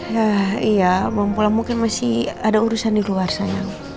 ya iya belum pulang mungkin masih ada urusan di luar sayang